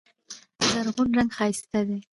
زرغون رنګ ښایسته دی.